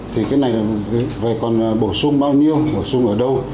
thì cái này là còn bổ sung bao nhiêu bổ sung ở đâu